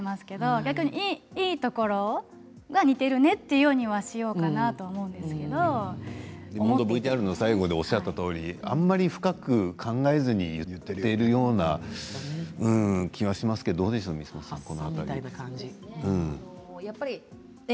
逆にいいところが似ているねって言うようにはしようかなとＶＴＲの最後でおっしゃったようにあまり深く考えずに言っているような気はしますけれどどうでしょうか光本さん、この辺りは。